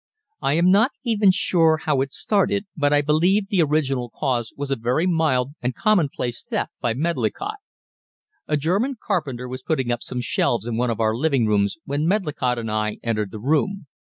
I am not even sure how it started, but I believe the original cause was a very mild and commonplace theft by Medlicott. A German carpenter was putting up some shelves in one of our living rooms when Medlicott and I entered the room.